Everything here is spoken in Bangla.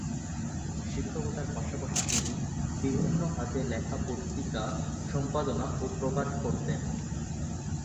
শিক্ষকতার পাশাপাশি তিনি বিভিন্ন হাতে লেখা পত্রিকা সম্পাদনা ও প্রকাশ করতেন।